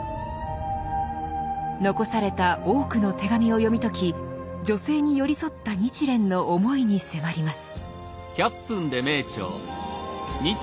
残された多くの手紙を読み解き女性に寄り添った日蓮の思いに迫ります。